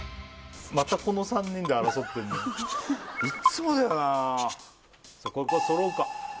またこの３人で争ってんのいっつもだよなさあこっから揃うか？